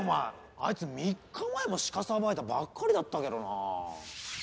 あいつ３日前も鹿さばいたばっかりだったけどな。